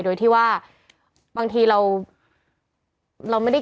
โดยที่ว่าบางทีเรา